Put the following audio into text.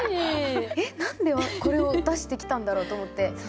えっ何でこれを出してきたんだろうと思って。